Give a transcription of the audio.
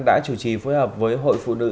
đã chủ trì phối hợp với hội phụ nữ